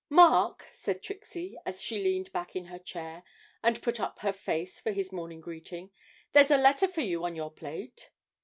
'Mark,' said Trixie, as she leaned back in her chair, and put up her face for his morning greeting, 'there's a letter for you on your plate.'